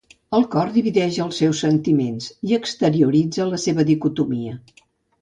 El cor divideix els seus sentiments i exterioritza la seva dicotomia.